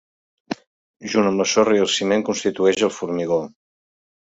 Junt amb la sorra i el ciment constitueix el formigó.